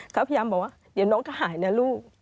เขาพยายามบอกว่าเดี๋ยวน้องจะหายนะลูก